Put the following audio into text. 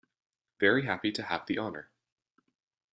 Very happy to have the honour!